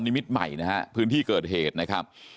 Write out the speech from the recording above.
มิตรใหม่นะฮะพื้นที่เกิดเหตุนะครับ